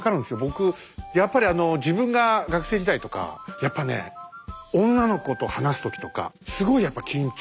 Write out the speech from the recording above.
僕やっぱりあの自分が学生時代とかやっぱね女の子と話す時とかすごいやっぱ緊張しましたから。